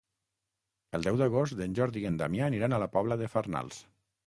El deu d'agost en Jordi i en Damià aniran a la Pobla de Farnals.